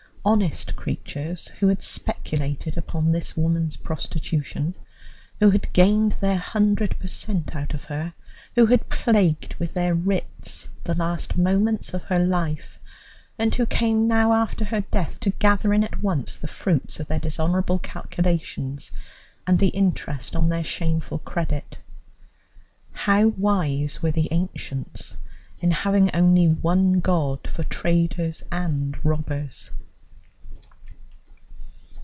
Honest creatures, who had speculated upon this woman's prostitution, who had gained their hundred per cent out of her, who had plagued with their writs the last moments of her life, and who came now after her death to gather in at once the fruits of their dishonourable calculations and the interest on their shameful credit! How wise were the ancients in having only one God for traders and robbers!